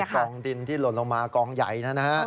กองดินที่หล่นลงมากองใหญ่นะฮะ